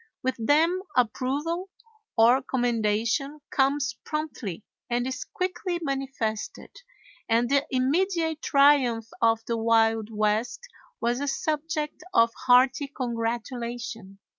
With them approval or commendation comes promptly and is quickly manifested, and the immediate triumph of the Wild West was a subject of hearty congratulation.